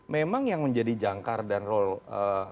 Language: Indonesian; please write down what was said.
memang yang menjadi jangkar dan role